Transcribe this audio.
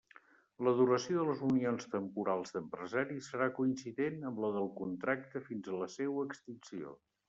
La duració de les unions temporals d'empresaris serà coincident amb la del contracte fins a la seua extinció.